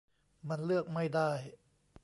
มันเลือกไม่ได้